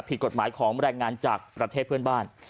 ผิดกฎหมายของแรงงานจากประเทศเพื่อนบ้าน